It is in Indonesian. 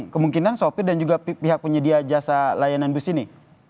kemungkinan sopir dan juga pihak penyedia jasa layanan bus ini